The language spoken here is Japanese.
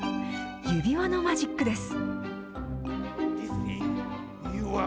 指輪のマジックです。